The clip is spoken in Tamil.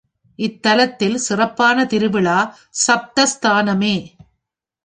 இத்தலத்தில் சிறப்பான திருவிழா சப்தஸ்தானமே.